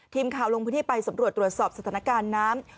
ทีมข่าวลงพื้นที่ไปสำรวจตรวจสอบสถานการณ์น้ำ